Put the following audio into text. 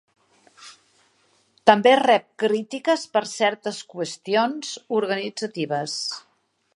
També rep crítiques per certes qüestions organitzatives.